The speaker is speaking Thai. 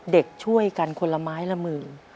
เด็กช่วยกันคนละไม้ละมือ